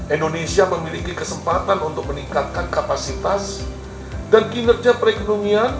indonesia memiliki kesempatan untuk meningkatkan kapasitas dan kinerja perekonomian